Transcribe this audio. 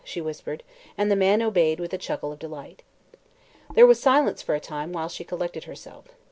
she whispered, and the man obeyed with a chuckle of delight. There was silence for a time, while she collected herself.